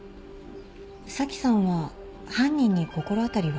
紗季さんは犯人に心当たりは？